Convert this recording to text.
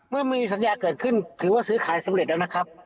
เมื่อมีสัญญาเกิดขึ้นถือว่าซื้อขายสำเร็จแล้วนะครับ